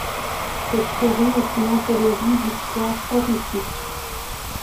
Cette série est une anthologie d'histoires horrifiques.